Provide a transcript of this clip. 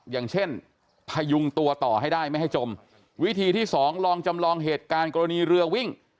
อย่างเช่นพยุงตัวต่อให้ได้ไม่ให้จมวิธีที่สองลองจำลองเหตุการณ์กรณีเรือวิ่ง